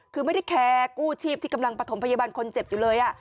คือไม่ได้แคร์กู้ชีพที่กำลังประถมพยาบาลคนเจ็บอยู่เลย